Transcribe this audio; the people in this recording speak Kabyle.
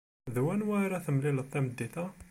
D wanwa ara temlileḍ tameddit-a?